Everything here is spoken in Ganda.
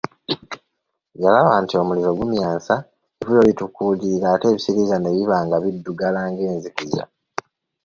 Yalaba nti omuliro gumyansa, evvu lyo litukuulirira ate ebisiriiza ne biba nga biddugala ng’enzikiza.